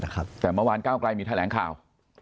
แต่เมื่อวานก้าวไกลมีแถลงข่าว